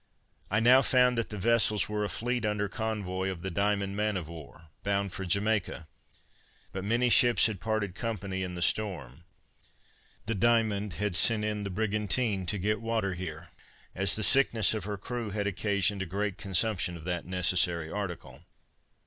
I now found that the vessels were a fleet under convoy of the Diamond man of war, bound for Jamaica; but many ships had parted company in the storm. The Diamond had sent in the brigantine to get water here, as the sickness of her crew had occasioned a great consumption of that necessary article.